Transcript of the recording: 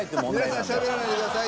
皆さんしゃべらないでください。